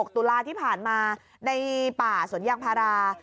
ตุลาที่ผ่านมาในป่าสวนยางพารา